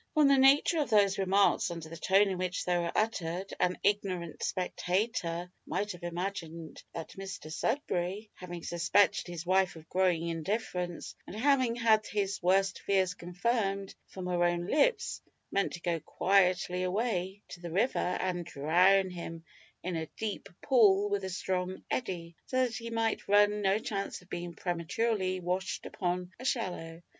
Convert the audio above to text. From the nature of these remarks and the tone in which they were uttered, an ignorant spectator might have imagined that Mr Sudberry, having suspected his wife of growing indifference, and having had his worst fears confirmed from her own lips, meant to go quietly away to the river and drown him in a deep pool with a strong eddy, so that he might run no chance of being prematurely washed upon a shallow.